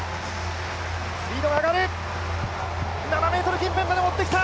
スピードが上がる、７ｍ近辺まで持ってきた。